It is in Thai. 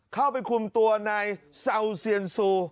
เข้าไปคุมตัวนายเซาเซียนซู